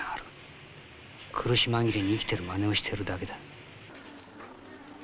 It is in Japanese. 苦し紛れに生きてるまねをしてるだけだ。